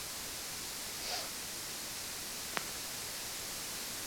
پیاوێکی زۆر جوان و بە سەروسیما و تەڕپۆش بوو